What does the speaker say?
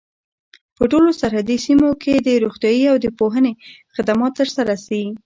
په ټولو سرحدي سیمو کي دي روغتیايي او د پوهني خدمات تر سره سي.